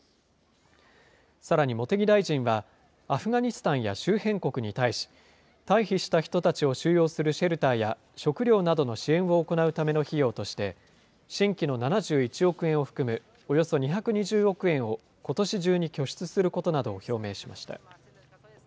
さらに茂木大臣は、アフガニスタンや周辺国に対し、退避した人たちを収容するシェルターや、食料などの支援を行うための費用として、新規の７１億円を含むおよそ２２０億円を、ことし中に拠出することなどを表明しました。